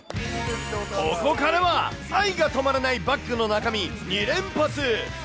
ここからは、愛が止まらないバッグの中身２連発。